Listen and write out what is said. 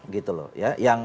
gitu loh ya